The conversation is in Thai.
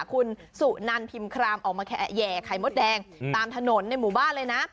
คุณสุนันพิมครามออกมาแห่ไข่มดแดงตามถนนในหมู่บ้านเลยนะ